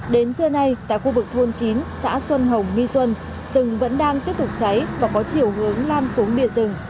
hôm nay tại khu vực thôn chín xã xuân hồng my xuân rừng vẫn đang tiếp tục cháy và có chiều hướng lam xuống địa rừng